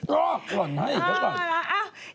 ลอกก่อนให้